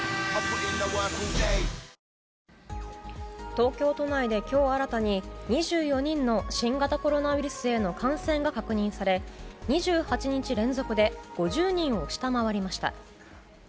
東京都内で今日新たに２４人の新型コロナウイルスへの感染が確認され２８日連続で５０人を下回りました。